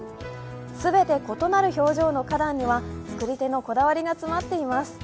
全て異なる表情の花壇には作り手のこだわりが詰まっています。